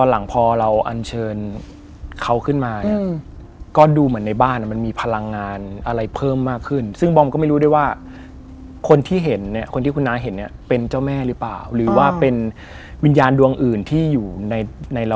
แล้วก็เหมือนคุณ